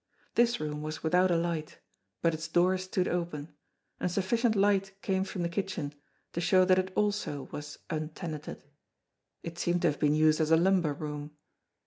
This room was without a light, but its door stood open and sufficient light came from the kitchen to show that it also was untenanted. It seemed to have been used as a lumber room.